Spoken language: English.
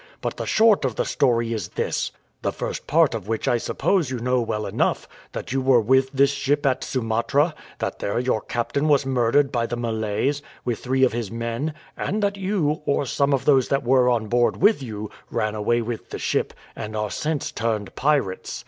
But the short of the story is this the first part of which I suppose you know well enough that you were with this ship at Sumatra; that there your captain was murdered by the Malays, with three of his men; and that you, or some of those that were on board with you, ran away with the ship, and are since turned pirates.